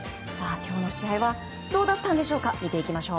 今日の試合はどうだったんでしょうか。